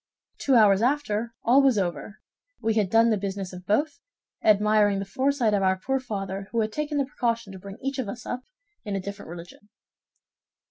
Two hours after, all was over; we had done the business of both, admiring the foresight of our poor father, who had taken the precaution to bring each of us up in a different religion."